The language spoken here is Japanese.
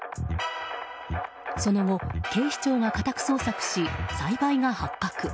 その後、警視庁が家宅捜索し栽培が発覚。